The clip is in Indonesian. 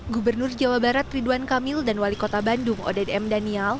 gubernur jawa barat ridwan kamil dan wali kota bandung odet m daniel